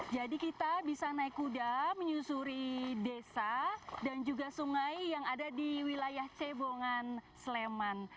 jadi kita bisa naik kuda menyusuri desa dan juga sungai yang ada di wilayah cebongan sleman